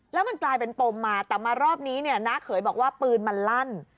แล้วมันกลายเป็นปมมาแต่มารอบนี้เนี่ยน้าเขยบอกว่าปืนมันลั่น